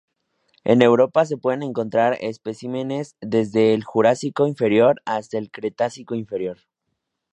En Europa se pueden encontrar especímenes desde el Jurásico Inferior hasta el Cretácico Inferior.